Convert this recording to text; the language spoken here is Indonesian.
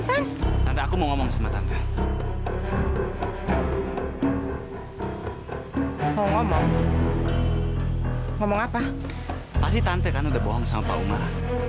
kalau aku ini anaknya pak umar